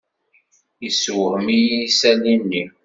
Yessewhem-iyi isali-nni.